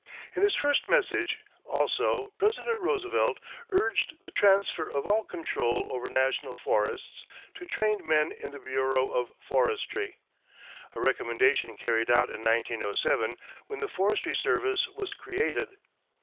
In his first message, also, President Roosevelt urged the transfer of all control over national forests to trained men in the Bureau of Forestry a recommendation carried out in 1907 when the Forestry Service was created.